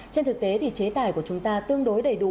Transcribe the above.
trên thực tế thì chế tài của chúng ta tương đối đầy đủ